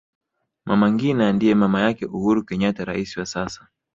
mama ngina ndiye mama yake uhuru kenyatta rais wa sasa